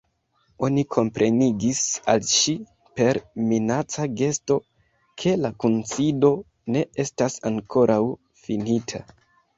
Oni komprenigis al ŝi, per minaca gesto, ke la kunsido ne estas ankoraŭ finita.